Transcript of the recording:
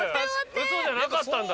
ウソじゃなかったんだ。